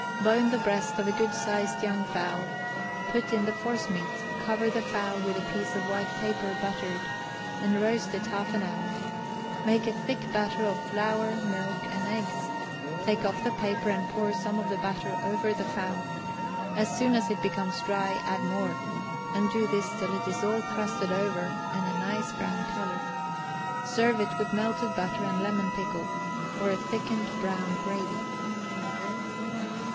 Bone the breast of a good sized young fowl, put in the forcemeat, cover the fowl with a piece of white paper buttered, and roast it half an hour; make a thick batter of flour, milk, and eggs, take off the paper, and pour some of the batter over the fowl; as soon as it becomes dry, add more, and do this till it is all crusted over and a nice brown color, serve it with melted butter and lemon pickle, or a thickened brown gravy.